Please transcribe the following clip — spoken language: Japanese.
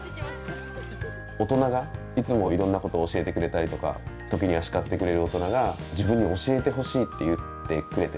大人がいつもいろんなことを教えてくれたりとか時には叱ってくれる大人が自分に「教えてほしい」って言ってくれてる。